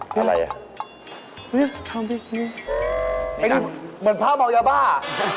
เหมือนพ่อเมายาบ้า